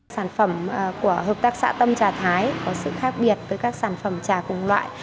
sản phẩm của hợp tác xã tâm trà thái có sự khác biệt với các sản phẩm trà cùng loại